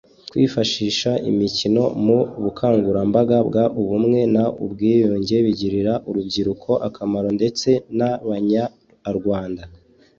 Kwifashisha imikino mu bukangurambaga bw ubumwe n ubwiyunge bigirira urubyiruko akamaro ndetse nabanya arwanda .